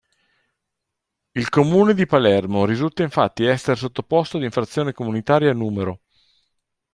Il Comune di Palermo risulta infatti essere sottoposto ad infrazione comunitaria n.